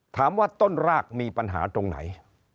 ต้นรากมีปัญหาตรงไหน